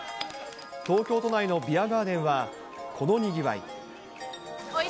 東京都内のビアガーデンは、このにぎわい。